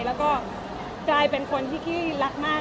แล้วก็กลายเป็นคนที่ขี้รักมาก